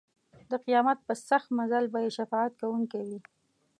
د قیامت په سخت منزل به یې شفاعت کوونکی وي.